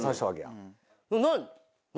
「何？